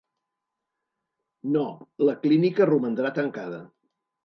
No, la clínica romandrà tancada.